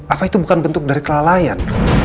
apa itu bukan bentuk dari kelalaian